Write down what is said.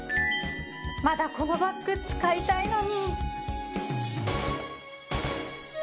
まだこのバッグ使いたいのに